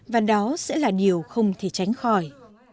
và đó sẽ là điều không thể tránh khỏi